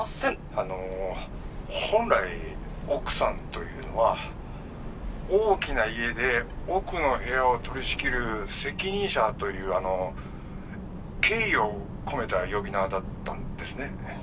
あの本来奥さんというのは大きな家で奥の部屋を取り仕切る責任者というあの敬意を込めた呼び名だったんですね